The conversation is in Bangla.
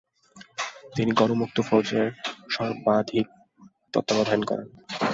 তিনি গণ মুক্তি ফৌজের সার্বিক তত্ত্বাবধান করেন।